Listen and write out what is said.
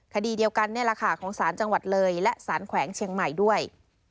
คดีเดียวกันนี่แหละค่ะของศาลจังหวัดเลยและสารแขวงเชียงใหม่ด้วย